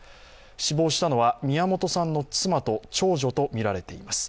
死亡したのは宮本さんの妻と長女とみられています。